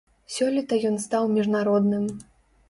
Сёлета ён стаў міжнародным.